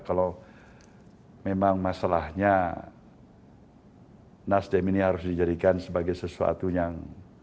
kalau memang masalahnya nasdem ini harus dijadikan sebagai sesuatu yang